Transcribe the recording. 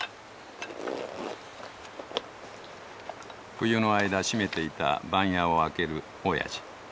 冬の間閉めていた番屋を開けるおやじ。